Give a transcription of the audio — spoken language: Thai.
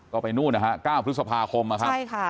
ก็ไปนู้นนะคะเก้าพฤษภาคมนะคะใช่ค่ะ